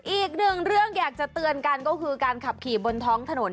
อีกหนึ่งเรื่องอยากจะเตือนกันก็คือการขับขี่บนท้องถนน